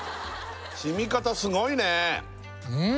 染み方すごいね！